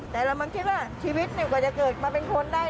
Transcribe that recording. แต่เรามาคิดว่าชีวิตกว่าจะเกิดมาเป็นคนได้